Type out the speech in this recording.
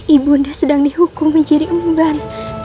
ibu nda sedang dihukumi jari umban